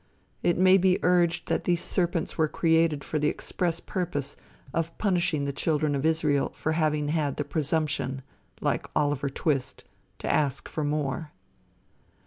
It may be urged that these serpents were created for the express purpose of punishing the children of Israel for having had the presumption, like Oliver Twist, to ask for more.